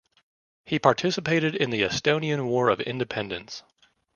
He participated in the Estonian War of Independence.